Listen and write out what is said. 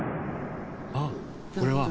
あっこれは。